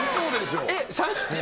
えっ。